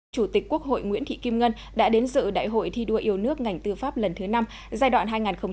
chủ tịch quốc hội nguyễn thị kim ngân đã đến dự đại hội thi đua yêu nước ngành tư pháp lần thứ năm giai đoạn hai nghìn hai mươi hai nghìn hai mươi năm